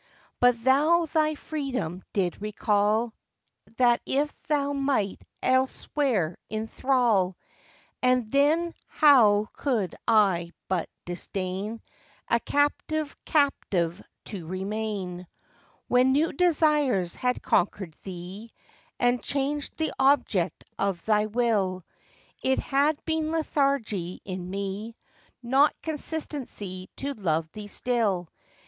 But thou thy freedom did recall, That if thou might elsewhere inthral; And then how could I but disdain A captive's captive to remain? When new desires had conquer'd thee, And chang'd the object of thy will, It had been lethargy in me, Not constancy to love thee still.